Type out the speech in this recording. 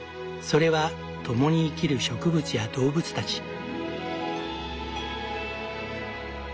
それは共に生きる植物や動物たち。